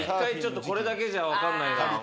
これだけじゃわかんないな。